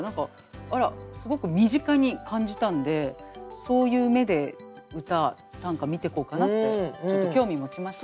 すごく身近に感じたんでそういう目で短歌見てこうかなってちょっと興味持ちました。